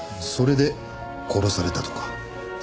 それで殺されたとか。